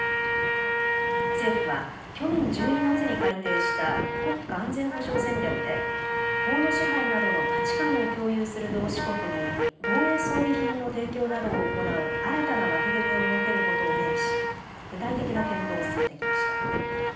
政府は去年１２月に改定した国家安全保障戦略で法の支配などの価値観を共有する同志国に防衛装備品の提供などを行う新たな枠組みを設けることを明記し具体的な検討を進めてきました。